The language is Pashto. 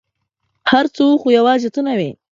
هر څه وه ، خو یوازي ته نه وې !